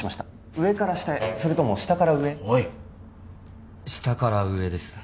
上から下へそれとも下から上へ下から上です